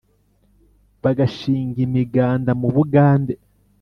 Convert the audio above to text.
Bagashinga imiganda mu Bugande